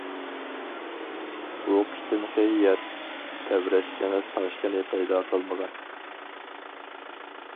بۇ قېتىمقى يەر تەۋرەش دېڭىز تاشقىنى پەيدا قىلمىغان.